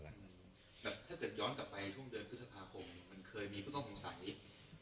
แบบถ้าเกิดย้อนกลับไปช่วงเดือนพฤษภาคมมันเคยมีผู้ต้องสงสัย